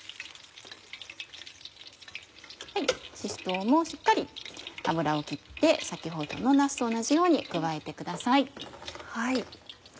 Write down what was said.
しし唐もしっかり油を切って先ほどのなすと同じように加えてください。